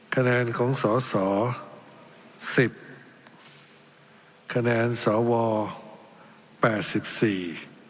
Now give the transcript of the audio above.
คะแนนของสอสอสิบคะแนนสอวอแปดสิบสี่